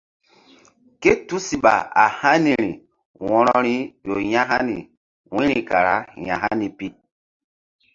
Ké tusiɓa a haniri wo̧roi ƴo ya̧hani wu̧yri kara ya̧hani pi.